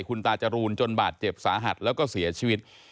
คุณตาจรูนจนบาดเจ็บสาหัสแล้วก็เสียชีวิต